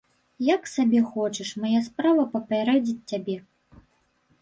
Як сабе хочаш, мая справа папярэдзіць цябе.